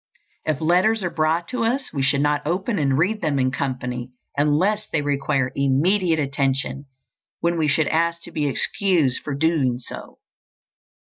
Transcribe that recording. If letters are brought to us, we should not open and read them in company unless they require immediate attention, when we should ask to be excused for doing so.